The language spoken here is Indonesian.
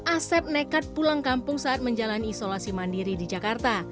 asep nekat pulang kampung saat menjalani isolasi mandiri di jakarta